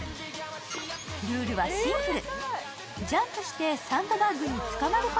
ルールはシンプル。